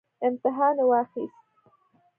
امتحان واخیست